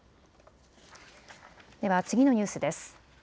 では次のニュースです。